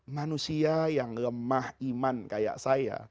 manusia yang lemah iman kayak saya